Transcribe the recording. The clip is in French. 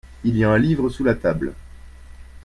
Il y a un livre sous la table.